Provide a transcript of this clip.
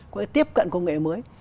cũng là tiếp cận công nghệ mới